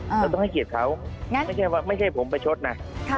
เราต้องให้เกียรติเขาไม่ใช่ว่าไม่ใช่ผมประชดนะ